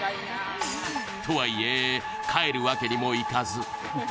とはいえ、帰るわけにもいかず。